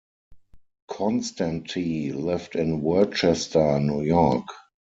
Konstanty lived in Worcester, New York.